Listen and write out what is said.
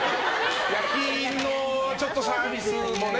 焼印のちょっとサービスもね